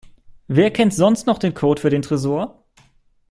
Wer kennt sonst noch den Code für den Tresor?